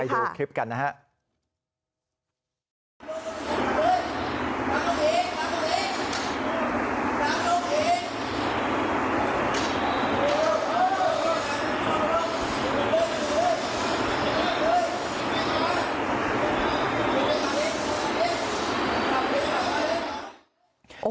ดูคลิปกันนะครับ